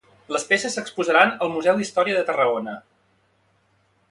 Les peces s'exposaran al Museu d'Història de Tarragona.